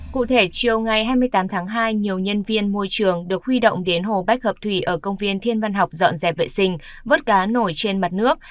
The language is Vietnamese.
cụ thể chiều ngày hai mươi tám tháng hai nhiều nhân viên môi trường được huy động đến hồ bách hợp thủy ở công viên thiên văn học dọn dẹp vệ sinh vớt cá nổi trên mặt nước